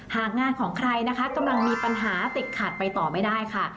หากงานของใครนะคะกำลังมีปัญหาติดขัดไปต่อไม่ได้ค่ะ